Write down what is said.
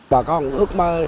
bà con ước mơ